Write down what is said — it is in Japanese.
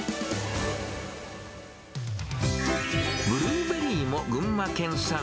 ブルーベリーも群馬県産。